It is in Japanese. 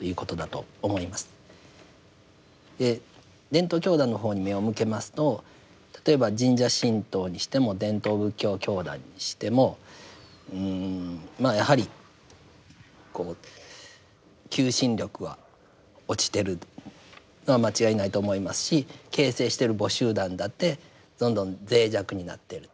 伝統教団の方に目を向けますと例えば神社神道にしても伝統仏教教団にしてもうんまあやはりこう求心力は落ちてるのは間違いないと思いますし形成している母集団だってどんどん脆弱になっている。